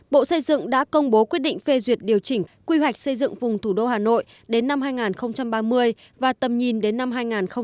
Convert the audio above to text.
bộ xây dựng đã công bố quyết định phê duyệt điều chỉnh quy hoạch xây dựng vùng thủ đô hà nội đến năm hai nghìn ba mươi và tầm nhìn đến năm hai nghìn năm mươi